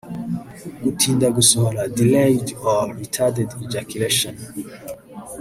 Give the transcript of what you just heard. Gutinda gusohora ( delayed or retarded ejaculation )